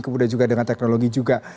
kemudian juga dengan teknologi juga